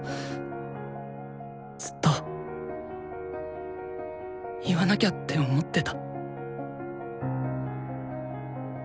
ずっと言わなきゃって思ってた。